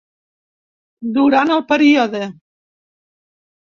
Durant el període.